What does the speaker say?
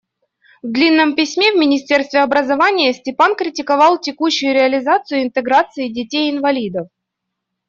В длинном письме в министерство образования Степан критиковал текущую реализацию интеграции детей-инвалидов.